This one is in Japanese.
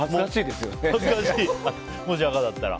もし赤だったら。